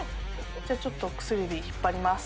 ちょっと、薬指、引っ張ります。